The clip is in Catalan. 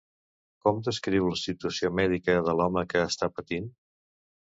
Com descriu la situació mèdica de l'home que està patint?